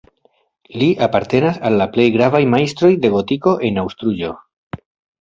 Li apartenas al la plej gravaj majstroj de gotiko en Aŭstrujo.